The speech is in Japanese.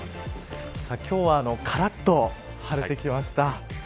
今日はからっと晴れてきました。